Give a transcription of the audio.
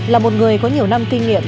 là một người có nhiều năm kinh nghiệm